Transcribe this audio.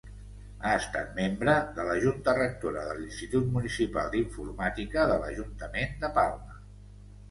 Ha estat membre de la junta rectora de l'Institut Municipal d'Informàtica de l'Ajuntament de Palma.